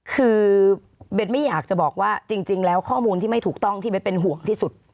คือเบนไม่อยากจะบอกว่าจริงแล้วข้อมูลที่ไม่ถูกต้องที่เบ้นเป็นห่วงที่สุด